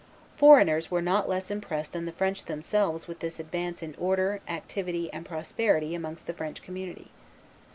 Foreigners were not less impressed than the French themselves with this advance in order, activity, and prosperity amongst the French community.